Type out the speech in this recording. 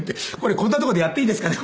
こんな所でやっていいんですかね？